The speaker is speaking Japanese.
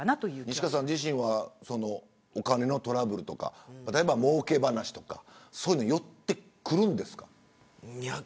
西川さん自身はお金のトラブルとか例えば、もうけ話とかそういうの寄ってくるんですか。